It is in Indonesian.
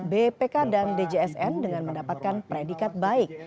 bpk dan djsn dengan mendapatkan predikat baik